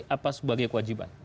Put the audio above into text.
apa sebagai kewajiban